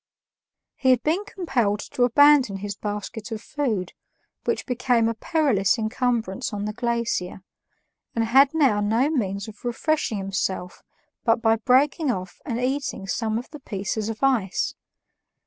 He had been compelled to abandon his basket of food, which became a perilous incumbrance on the glacier, and had now no means of refreshing himself but by breaking off and eating some of the pieces of ice.